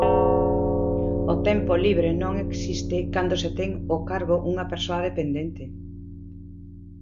O tempo libre non existe cando se ten ao cargo unha persoa dependente.